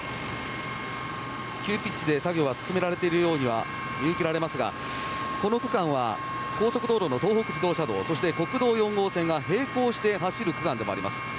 急ピッチで作業が進められているようには見受けられますがこの区間は高速道路の東北自動車道そして、国道４号線が並行して走る区間でもあります。